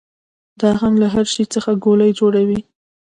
دا هم له هر شي څخه ګولۍ جوړوي.